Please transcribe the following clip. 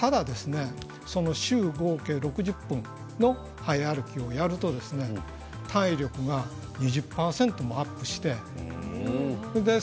週合計６０分の早歩きをやると体力が２０％アップします。